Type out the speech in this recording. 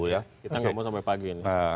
kita tidak mau sampai pagi